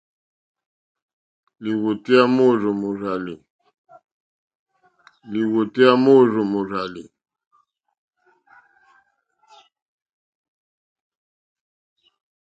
Lìwòtéyá môrzó mòrzàlì.